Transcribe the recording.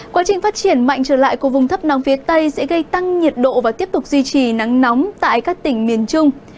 quá trình phát triển mạnh trở lại của vùng thấp nóng phía tây sẽ gây tăng nhiệt độ và tiếp tục duy trì nắng nóng tại các tỉnh miền trung